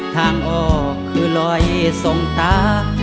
ทางออกคือลอยส่งตา